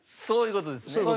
そういう事ですね。